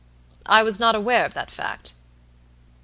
"I was not aware of that fact."